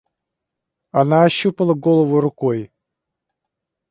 Она ощупала голову рукой.